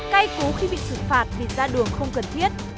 cây cú khi bị xử phạt vì ra đường không cần thiết